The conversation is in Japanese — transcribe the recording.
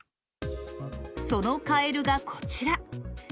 そのカエルがこちら。